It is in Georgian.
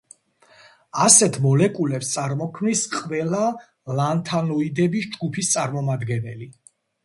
ასეთ მოლეკულებს წარმოქმნის ყველა ლანთანოიდების ჯგუფის წარმომადგენელი.